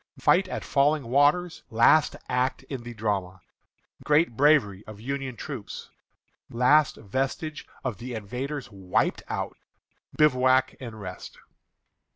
Fight at Falling Waters, Last Act in the Drama. Great Bravery of Union Troops. Last Vestige of the Invaders Wiped Out. Bivouac and Rest.